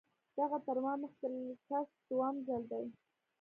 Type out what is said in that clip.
دغه تر ما مخکې کس څووم ځل دی.